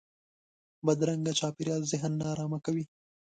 بدرنګه چاپېریال ذهن نارامه کوي